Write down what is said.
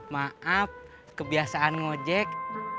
maaf kebiasaan ngojek